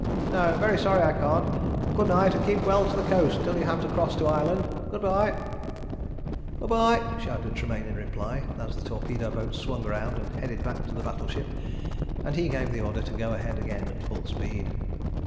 "No, very sorry I can't. Good night, and keep well in to the coast till you have to cross to Ireland. Good bye?" "Good bye!" shouted Tremayne in reply, as the torpedo boat swung round and headed back to the battleship, and he gave the order to go ahead again at full speed.